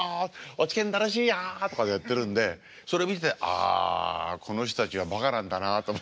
落研楽しいよ！」とかやってるんでそれ見てあこの人たちはバカなんだなと思って。